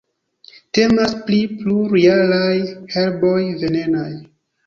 Temas pri plurjaraj herboj venenaj.